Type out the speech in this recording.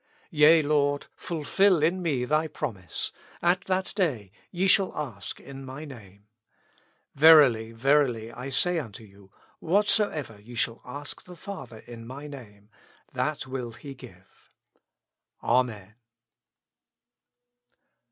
Yea, Lord, fulfil in me Thy promise. '' At that day ye shall ask in my Name. Verily, verily, I say unto you, What soever ye shall ask the Father in my Name, that will He give." Amen.